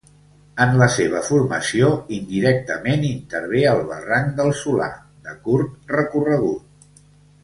En la seva formació indirectament intervé el barranc del Solà, de curt recorregut.